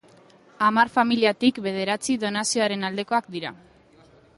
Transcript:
Hamar familiatik bederatzi donazioaren aldekoak dira.